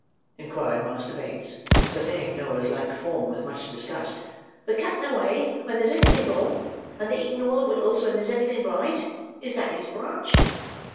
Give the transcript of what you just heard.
inquired Master Bates, surveying Noah's lank form with much disgust. "The cutting away when there's anything wrong, and the eating all the wittles when there's everything right; is that his branch?"